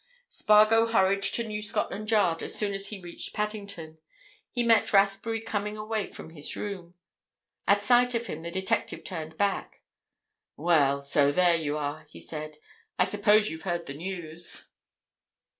Spargo hurried to New Scotland Yard as soon as he reached Paddington. He met Rathbury coming away from his room. At sight of him, the detective turned back. "Well, so there you are!" he said. "I suppose you've heard the news?"